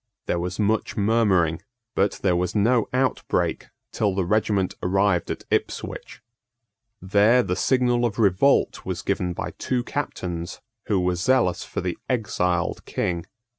There was much murmuring; but there was no outbreak till the regiment arrived at Ipswich. There the signal of revolt was given by two captains who were zealous for the exiled King.